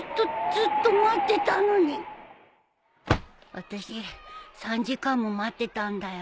あたし３時間も待ってたんだよ。